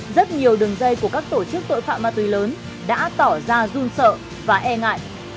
rất nhiều đường dây của các tổ chức tội phạm ma túy lớn đã tỏ ra run sợ và e ngại